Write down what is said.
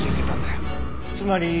つまり。